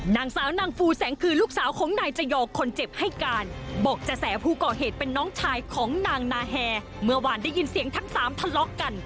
นางสาวนางฟูแสงคือลูกสาวของนายจยอคนเจ็บให้การบอกจะแสผู้ก่อเหตุเป็นน้องชายของนางนาแฮเมื่อวานได้ยินเสียงทั้งสามทะเลาะกัน